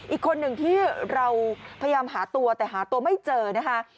อีกคนหนึ่งที่เราพยายามหาตัวแต่หาตัวไม่เจอนะคะ